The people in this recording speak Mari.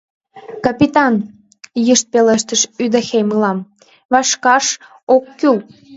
— Капитан, — йышт пелештыш удэхей мылам, — вашкаш ок кӱл.